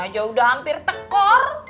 ini aja udah hampir tekor